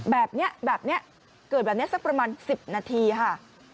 แบบนี้แบบนี้เกิดแบบนี้สักประมาณ๑๐นาทีค่ะ